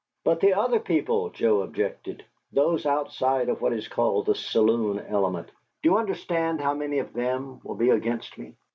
"But the other people," Joe objected, "those outside of what is called the saloon element do you understand how many of them will be against me?"